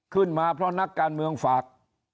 ขึ้นมาเพราะนักการเมืองฝาก